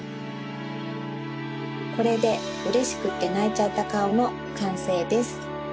これでうれしくってないちゃったかおのかんせいです。